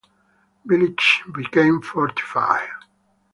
Villages became fortified.